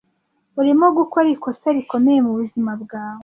Urimo gukora ikosa rikomeye mubuzima bwawe.